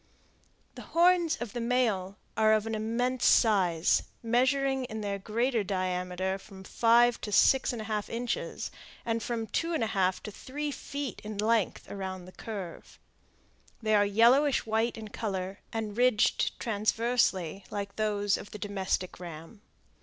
The horns of the male are of immense size, measuring in their greater diameter from five to six and a half inches, and from two and a half to three feet in length around the curve. They are yellowish white in color, and ridged transversely, like those of the domestic ram.